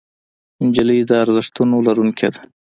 نجلۍ د ارزښتونو لرونکې ده.